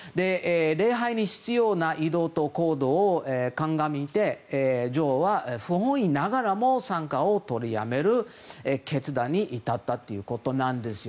礼拝に必要な移動と行動を鑑みて女王は不本意ながらも参加を取りやめる決断に至ったということなんです。